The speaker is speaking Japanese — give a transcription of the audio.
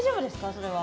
それは。